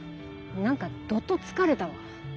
何かどっと疲れたわ。